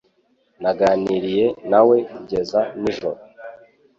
Naganiriye nawe kugeza nijoro